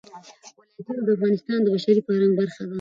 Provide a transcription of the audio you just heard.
ولایتونه د افغانستان د بشري فرهنګ برخه ده.